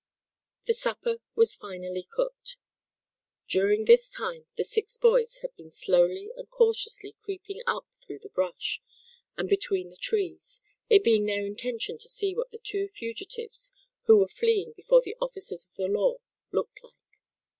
The supper was finally cooked. During this time the six boys had been slowly and cautiously creeping up through the brush, and between the trees, it being their intention to see what the two fugitives, who were fleeing before the officers of the law looked like.